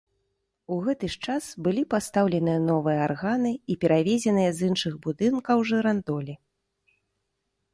У гэты ж час былі пастаўленыя новыя арганы і перавезеныя з іншых будынкаў жырандолі.